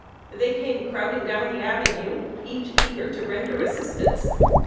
They came crowding down the avenue, each eager to render assistance.